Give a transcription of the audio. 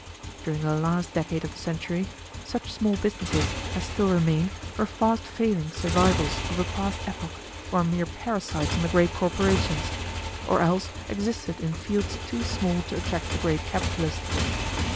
During the last decade of the century, such small businesses as still remained were fast failing survivals of a past epoch, or mere parasites on the great corporations, or else existed in fields too small to attract the great capitalists.